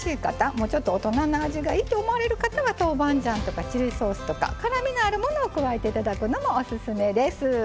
もうちょっと大人な味がいいと思われる方は豆板醤とかチリソースとか辛みのあるものを加えて頂くのもオススメです。